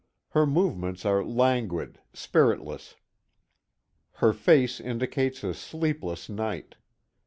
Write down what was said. Her movements are languid, spiritless. Her face indicates a sleepless night.